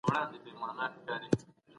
هر ملت او قوم د فقر، بدبختۍ او جګړو سبب سوی